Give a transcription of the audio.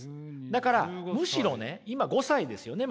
だからむしろね今５歳ですよね。